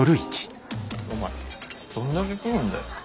お前どんだけ食うんだよ。